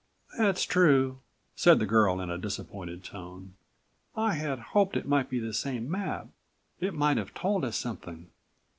"That's true," said the girl in a disappointed103 tone, "I had hoped it might be the same map. It might have told us something."